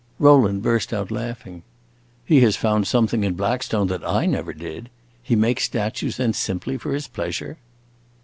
Rowland burst out laughing. "He has found something in Blackstone that I never did. He makes statues then simply for his pleasure?"